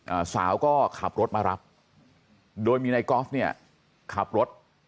อ่าสาวก็ขับรถมารับโดยมีนายกอล์ฟเนี่ยขับรถ